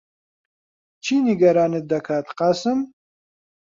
چی نیگەرانت دەکات، قاسم؟